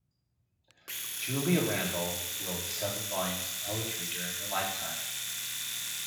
Julia Randall wrote seven volumes of poetry during her lifetime.